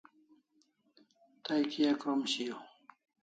Tay Kia krom shiaw?